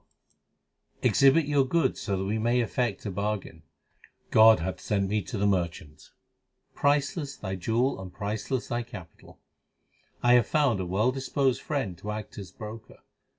280 THE SIKH RELIGION Exhibit your goods, so that we may effect a bargain. God hath sent me to the merchant. Priceless thy jewel and priceless thy capital. I have found a well disposed friend to act as broker.